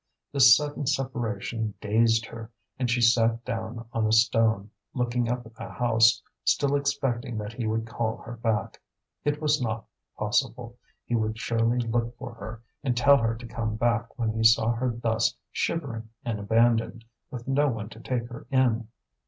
This sudden separation dazed her, and she sat down on a stone, looking up at the house, still expecting that he would call her back. It was not possible; he would surely look for her and tell her to come back when he saw her thus shivering and abandoned, with no one to take her in.